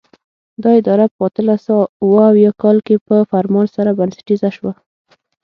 دا اداره په اتلس سوه اوه اویا کال کې په فرمان سره بنسټیزه شوه.